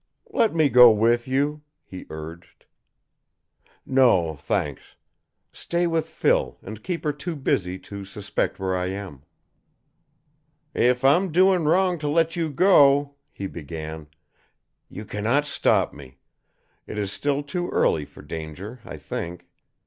"Let me go with you," he urged. "No, thanks. Stay with Phil, and keep her too busy to suspect where I am." "If I'm doing wrong to let you go," he began. "You cannot stop me. It is still too early for danger, I think.